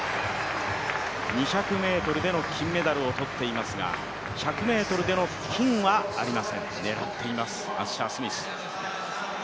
２００ｍでの金メダルを取っていますが１００ｍでの金はありません、狙っています、アッシャースミス。